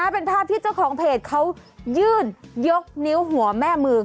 เป็นภาพที่เจ้าของเพจเขายื่นยกนิ้วหัวแม่มือ